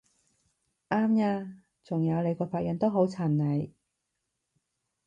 啱吖！仲有你個髮型都好襯你！